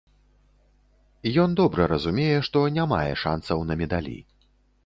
Ён добра разумее, што не мае шанцаў на медалі.